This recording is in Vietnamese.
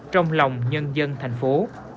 trong lòng nhân dân thành phố